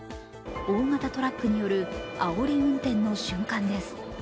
大型トラックによるあおり運転の瞬間です。